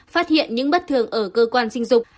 phát hiện những bất thường ở cơ quan sinh dục